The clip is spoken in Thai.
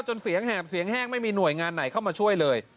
จนเสียงแหบเสียงแห้งไม่มีหน่วยงานไหนเข้ามาช่วยเลย